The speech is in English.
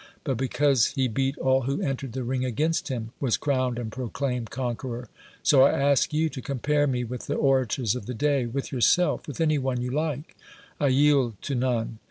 but. because he beat all who entered the ring against him, was crowned and proclaimed conqueror. So T ask y(m to compare me with the orators of the day, with yourself, with any one you hke; I yield to noie'.